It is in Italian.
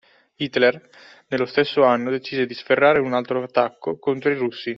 Hitler nello stesso anno decise di sferrare un altro attacco contro i russi